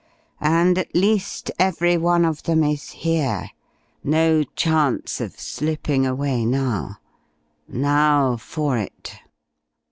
And at least every one of them is here. No chance of slipping away now. Now for it."